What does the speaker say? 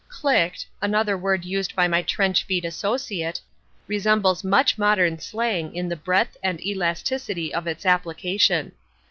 "Clicked," another word used by my trench feet associate, resembles much modern slang in the breadth and elasticity of its application.